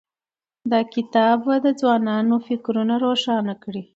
دا کتاب به د ځوانانو فکرونه روښانه کړي.